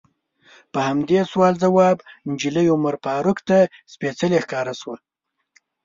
په همدې سوال ځواب نجلۍ عمر فاروق ته سپیڅلې ښکاره شوه.